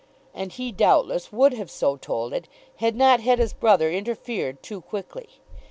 And he doubtless would have so told it, had not Hetta's brother interfered too quickly.